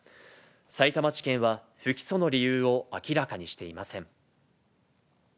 さいたま地検は不起訴の理由を明らかにしていません。